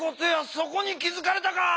そこに気づかれたか。